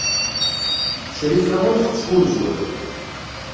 Crifa ur tettfunzur.